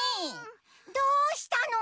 どうしたの？